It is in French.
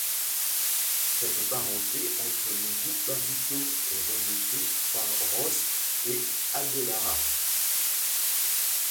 Cette parenté entre les groupes barito est rejetée par Ross et Adelaar.